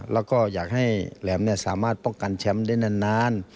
แล้วก็อยากให้แหลมสามารถป้องกันแชมป์ได้นาน